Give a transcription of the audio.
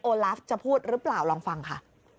ลาฟจะพูดหรือเปล่าลองฟังค่ะ